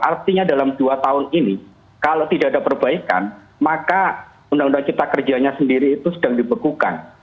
artinya dalam dua tahun ini kalau tidak ada perbaikan maka undang undang cipta kerjanya sendiri itu sedang dibekukan